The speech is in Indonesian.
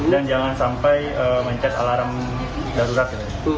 dan jangan sampai mencet alarm darurat